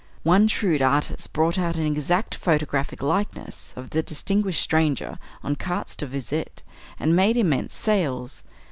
One shrewd artist brought out an "exact photographic likeness" of the distinguished stranger on cartes de visite, and made immense sales.